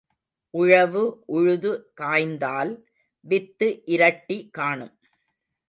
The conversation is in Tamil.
உழவு உழுது காய்ந்தால் வித்து இரட்டி காணும்.